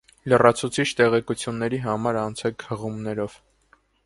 Լրացուցիչ տեղեկությունների համար անցեք հղումներով։